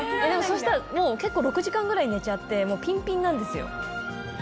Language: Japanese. そしたら、もう結構、６時間ぐらい寝ちゃって、もうぴんぴんなんですよ。